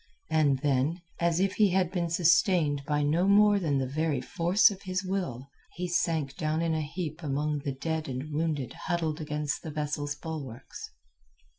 And then, as if he had been sustained by no more than the very force of his will, he sank down in a heap among the dead and wounded huddled against the vessel's bulwarks.